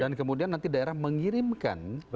kemudian nanti daerah mengirimkan